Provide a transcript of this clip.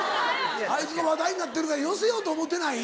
あいつが話題になってるから寄せようと思ってない？